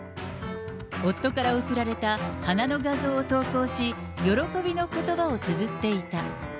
夫から贈られた花の画像を投稿し、喜びのことばをつづっていた。